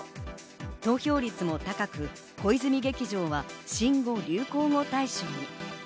投票率も高く、小泉劇場は新語・流行語大賞に。